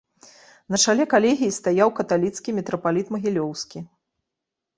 На чале калегіі стаяў каталіцкі мітрапаліт магілёўскі.